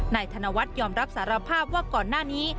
ธนวัฒน์ยอมรับสารภาพว่าก่อนหน้านี้